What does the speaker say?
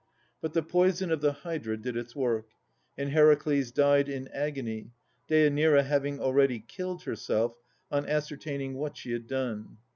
But the poison of the Hydra did its work, and Heracles died in agony, Deanira having already killed herself on ascertaining what she had done.